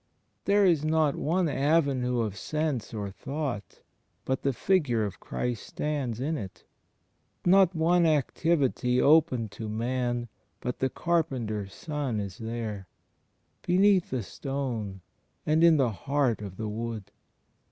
There is not one avenue of sense or thought, but the Figure of Christ stands in it; not one activity open to man, but the "Carpenter's Son" is there; beneath the stone, and in the heart of the wood.